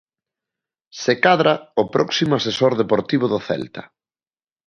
Se cadra o próximo asesor deportivo do Celta.